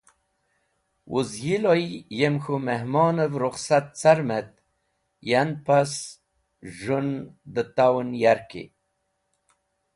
Wuz yiloy yem k̃hũ mehmonev rukhsat carem et yan pas z̃hũn dẽ tawn yarki.